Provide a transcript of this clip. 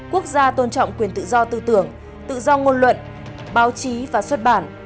quốc gia tôn trọng quyền tự do tư tưởng tự do ngôn luận báo chí và xuất bản